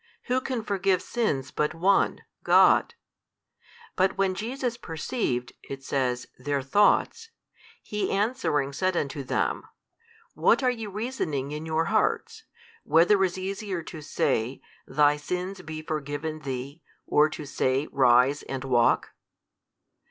who can forgive sins but One, God? But when Jesus perceived (it says) their thoughts, He answering said unto them, What are ye reasoning in your hearts? whether is easier to say, Thy sins be forgiven thee, or to say, Rise and walk?